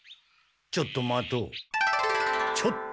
ちょっと待とう。